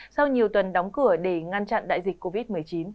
sau nhiều tuần đóng cửa để ngăn chặn đại dịch covid một mươi chín